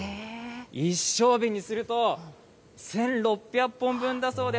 一升瓶にすると１６００本分だそうです。